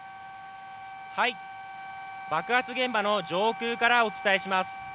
爆発現場の上空からお伝えします。